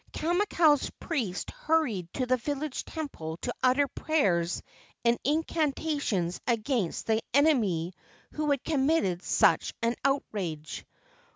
Kamakau's priest hurried to the village temple to utter prayers and incantations against the enemy who had committed such an outrage.